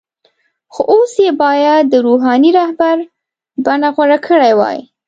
خو اوس یې باید د “روحاني رهبر” بڼه غوره کړې وای.